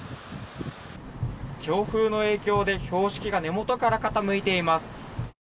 強風の影響で標識が根元から傾いています。